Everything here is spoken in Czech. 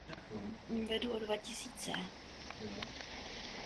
Kontroverze vyvolalo působení firmy v Dopravním podniku hlavního města Prahy.